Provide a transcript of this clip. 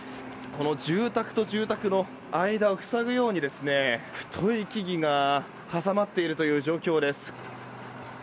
この住宅と住宅の間を塞ぐように太い木々が挟まっているという状況です。